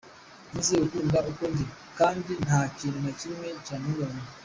Nize gukunda uko ndi, kandi nta kintu na kimwe cyampungabanya.